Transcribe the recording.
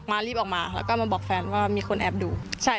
อ้าวแล้วตำรวจไม่ทำไม่มีช่วย